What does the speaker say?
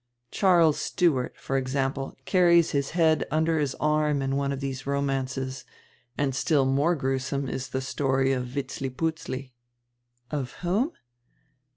Charles Stuart, for example, carries his head under his arm in one of these romances, and still more gruesome is the story of Vitzliputzli." "Of whom?"